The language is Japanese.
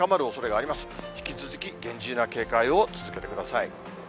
引き続き厳重な警戒を続けてください。